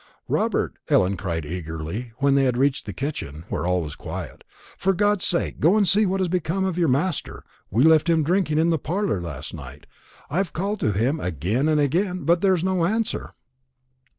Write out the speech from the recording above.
"Robert," Ellen cried eagerly, when they had reached the kitchen, where all was quiet, "for God's sake, go and see what has become of your master. We left him drinking in the parlour last night. I've called to him again and again, but there's been no answer."